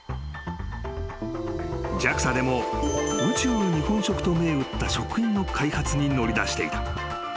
［ＪＡＸＡでも宇宙日本食と銘打った食品の開発に乗り出していた］